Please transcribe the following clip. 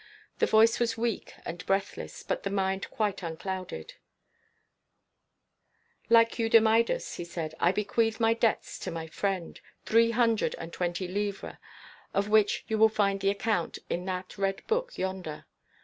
The voice was weak and breathless, but the mind quite unclouded: "Like Eudamidas," he said, "I bequeath my debts to my friend, three hundred and twenty livres, of which you will find the account ... in that red book yonder